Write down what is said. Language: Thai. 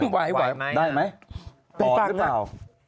ได้ไหมออกหรือเปล่า